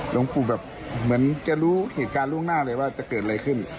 หลวงปู่แบบเหมือนจะรู้เหตุการณ์ล่วงหน้าเลยว่าจะเกิดอะไรขึ้น